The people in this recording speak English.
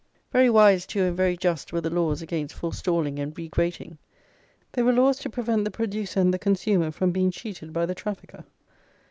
Very wise, too, and very just, were the laws against forestalling and regrating. They were laws to prevent the producer and the consumer from being cheated by the trafficker.